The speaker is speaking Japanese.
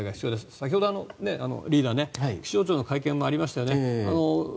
先ほどリーダー気象庁の会見もありましたよね。